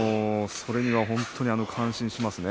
それには本当に感心しますね。